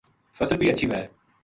فصل بھی ہچھی وھے